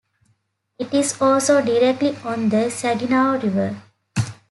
It is also directly on the Saginaw River.